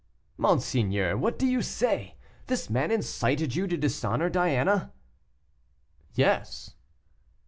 "Monseigneur, what do you say! This man incited you to dishonor Diana?" "Yes."